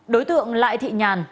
đối tượng lại thị nhàn